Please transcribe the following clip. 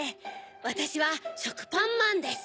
わたしはしょくぱんまんです。